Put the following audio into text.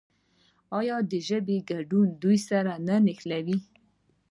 آیا د ژبې ګډون دوی سره نه نښلوي؟